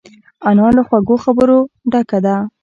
انا له خوږو خبرو ډکه ده